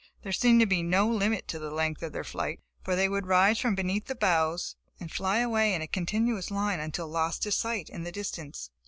There seemed to be no limit to the length of their flight, for they would rise from beneath the bows and fly away in a continuous line until lost to sight in the distance.